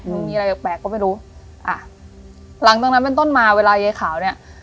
มันมีอะไรแปลกแปลกก็ไม่รู้อ่ะหลังจากนั้นเป็นต้นมาเวลายายขาวเนี้ย